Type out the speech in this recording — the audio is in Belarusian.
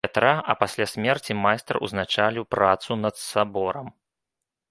Пятра, а пасля смерці майстар узначаліў працу над саборам.